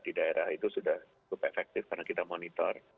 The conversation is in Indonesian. di daerah itu sudah cukup efektif karena kita monitor